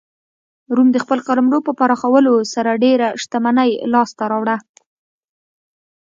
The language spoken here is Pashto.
روم د خپل قلمرو په پراخولو سره ډېره شتمنۍ لاسته راوړه.